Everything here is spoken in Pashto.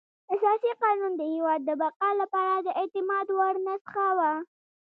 اساسي قانون د هېواد د بقا لپاره د اعتماد وړ نسخه وه.